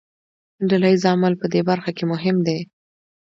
ډله ییز عمل په دې برخه کې مهم دی.